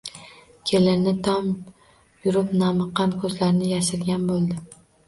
Kelini tomon yurib namiqqan ko‘zlarini yashirgan bo‘ldi.